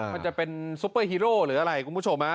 มันจะเป็นซุปเปอร์ฮีโร่หรืออะไรคุณผู้ชมฮะ